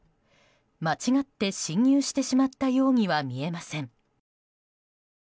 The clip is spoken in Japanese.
間違って進入してしまったようには見えません。